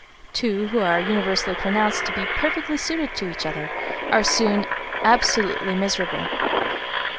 Two who are universally pronounced to be "perfectly suited to each other" are soon absolutely miserable.